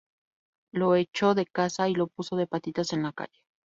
Lo echó de casa y lo puso de patitas en la calle